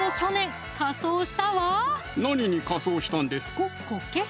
何に仮装したんですか？